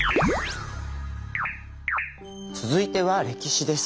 続いては歴史です。